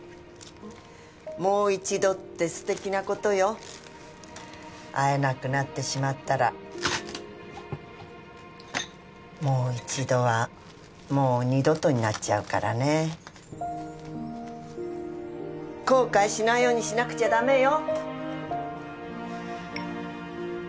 もう一度って素敵なことよ会えなくなってしまったら「もう一度」は「もう二度と」になっちゃうからね後悔しないようにしなくちゃダメよ